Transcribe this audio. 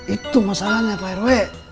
itu masalahnya pak rw